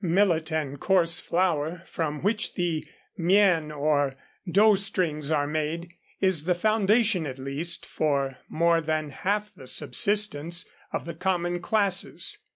Millet and coarse flour, from which the mien or dough strings are made, is the foundation, at least, for more than half the subsistence of the common classes.